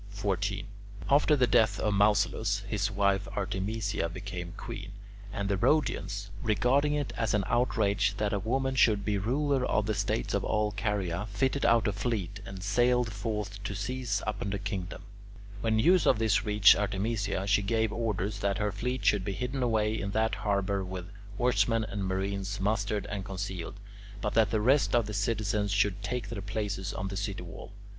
After the death of Mausolus, his wife Artemisia became queen, and the Rhodians, regarding it as an outrage that a woman should be ruler of the states of all Caria, fitted out a fleet and sallied forth to seize upon the kingdom. When news of this reached Artemisia, she gave orders that her fleet should be hidden away in that harbour with oarsmen and marines mustered and concealed, but that the rest of the citizens should take their places on the city wall.